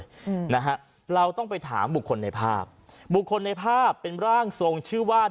อืมนะฮะเราต้องไปถามบุคคลในภาพบุคคลในภาพเป็นร่างทรงชื่อว่า